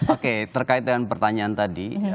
oke terkait dengan pertanyaan tadi